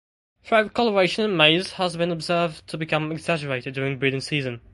Throat coloration in males has been observed to become exaggerated during breeding season.